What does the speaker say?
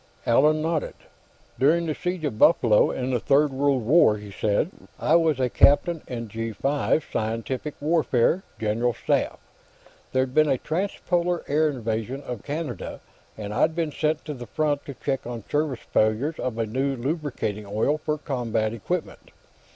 Allan nodded. "During the siege of Buffalo, in the Third World War," he said, "I was a captain in G5 Scientific Warfare, General Staff. There'd been a transpolar air invasion of Canada, and I'd been sent to the front to check on service failures of a new lubricating oil for combat equipment.